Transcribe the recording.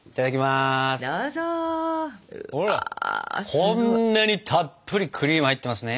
こんなにたっぷりクリーム入ってますね。